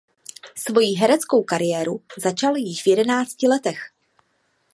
Svoji hereckou kariéru začal již v jedenácti letech.